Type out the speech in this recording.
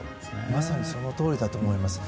まさにそのとおりだと思います。